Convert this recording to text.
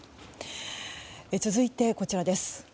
続いて、こちらです。